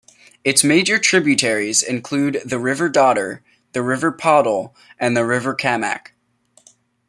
Its major tributaries include the River Dodder, the River Poddle and the River Camac.